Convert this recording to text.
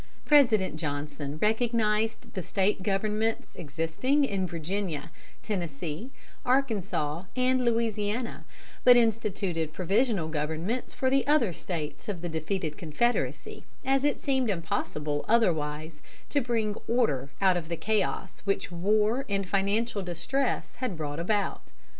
] President Johnson recognized the State governments existing in Virginia, Tennessee, Arkansas, and Louisiana, but instituted provisional governments for the other States of the defeated Confederacy, as it seemed impossible otherwise to bring order out of the chaos which war and financial distress had brought about.